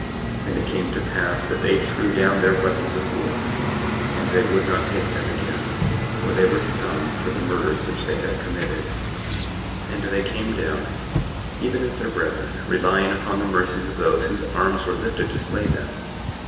24:25 And it came to pass that they threw down their weapons of war, and they would not take them again, for they were stung for the murders which they had committed; and they came down even as their brethren, relying upon the mercies of those whose arms were lifted to slay them.